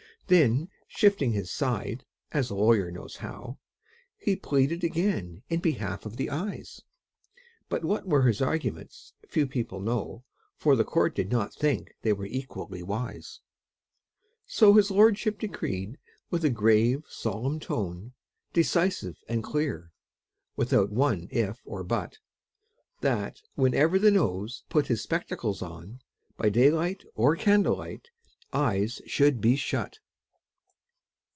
Then shifting his side (as a lawyer knows how), He pleaded again in behalf of the Eyes; But what were his arguments few people know, For the court did not think they were equally wise. So his lordship decreed with a grave solemn tone, Decisive and clear, without one if or but That, whenever the Nose put his spectacles on, By daylight or candlelight Eyes should be shut!